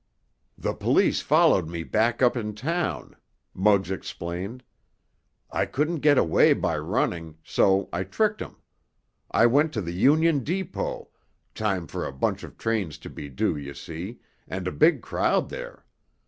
"The police followed me back up in town," Muggs explained. "I couldn't get away by running, so I tricked 'em. I went to the union depot—time for a bunch of trains to be due, you see, and a big crowd there.